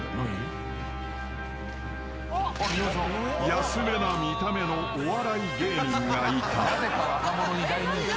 ［安めな見た目のお笑い芸人がいた］